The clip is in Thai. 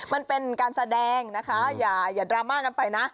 มันเป็นการแสดงนะคะอย่าดราม่ากันไปนะ